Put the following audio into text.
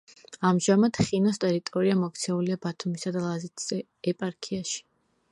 ამჟამად ხინოს ტერიტორია მოქცეულია ბათუმისა და ლაზეთის ეპარქიაში.